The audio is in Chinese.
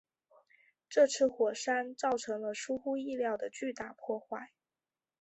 这次山火造成了出乎意料的巨大破坏。